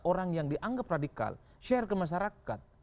orang yang dianggap radikal share ke masyarakat